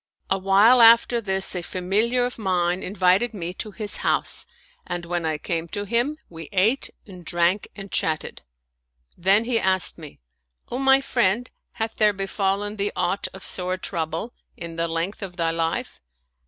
Awhile after this a familiar of mine invited me to his house and when I came to him, we ate and drank and chatted. Then he asked me, " O my friend, hath there befallen thee aught of sore trouble in the length of thy life?